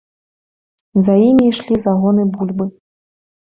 За імі ішлі загоны бульбы.